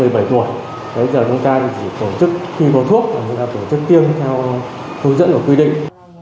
bây giờ chúng ta chỉ tổ chức khi bổ thuốc chúng ta tổ chức tiêm theo hướng dẫn của quy định